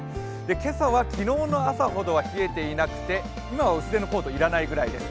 今朝は昨日の朝ほどは冷えていなくて今は薄手のコート、要らないくらいです。